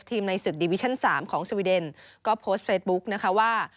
ในศึกดิวิชั่น๓ของสวีเดนก็โพสต์เฟซบุ๊กนะคะว่า